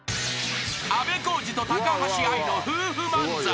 ［あべこうじと高橋愛の夫婦漫才。